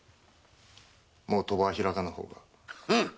もう賭場は開かぬ方が。